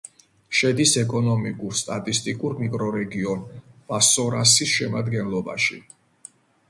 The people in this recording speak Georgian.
შედის ეკონომიკურ-სტატისტიკურ მიკრორეგიონ ვასორასის შემადგენლობაში.